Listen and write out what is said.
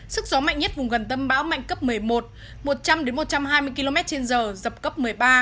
sức gió mạnh nhất vùng gần tâm bão mạnh cấp một mươi một một trăm linh một trăm hai mươi km trên giờ dập cấp một mươi ba